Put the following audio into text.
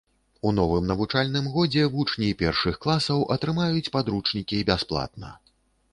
У новым навучальным годзе вучні першых класаў атрымаюць падручнікі бясплатна.